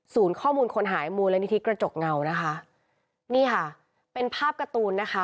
ข้อมูลคนหายมูลนิธิกระจกเงานะคะนี่ค่ะเป็นภาพการ์ตูนนะคะ